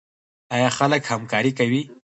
آیا خلک همکاري کوي؟